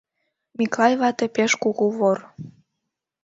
Миклай вате пеш кугу вор.